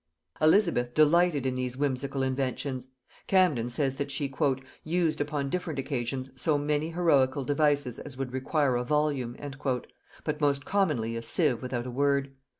Elizabeth delighted in these whimsical inventions. Camden says that she "used upon different occasions so many heroical devices as would require a volume," but most commonly a sieve without a word.